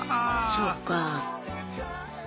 そっか。